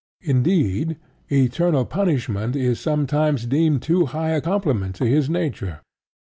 Indeed eternal punishment is sometimes deemed too high a compliment to his nature.